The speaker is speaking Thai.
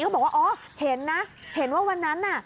เขาบอกว่าอ๋อเห็นนะเห็นว่าวันนั้นน่ะ